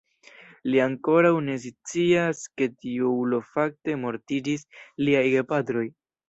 Li ankoraŭ ne scias ke tiu ulo fakte mortiĝis liaj gepatroj.